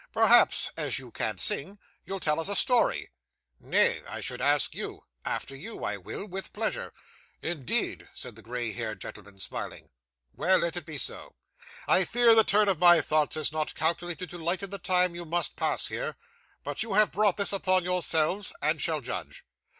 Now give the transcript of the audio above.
'Perhaps, as you can't sing, you'll tell us a story?' 'Nay. I should ask you.' 'After you, I will, with pleasure.' 'Indeed!' said the grey haired gentleman, smiling, 'Well, let it be so. I fear the turn of my thoughts is not calculated to lighten the time you must pass here; but you have brought this upon yourselves, and shall judge.